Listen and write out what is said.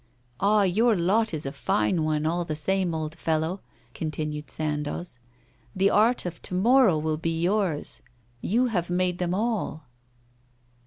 'Ah! your lot is a fine one, all the same, old fellow!' continued Sandoz. 'The art of to morrow will be yours; you have made them all.